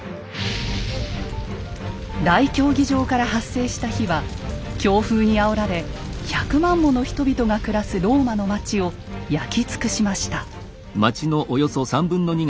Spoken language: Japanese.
大競技場から発生した火は強風にあおられ１００万もの人々が暮らすローマの町を焼き尽くしました。